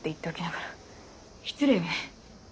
失礼ね。